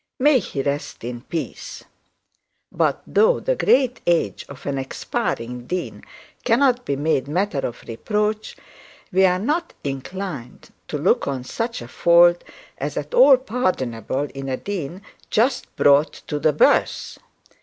May he rest in peace! But though the great age of an expiring dean cannot be made matter of reproach, we are not inclined to look on such a fault as at all pardonable in a dean just brought to the birth.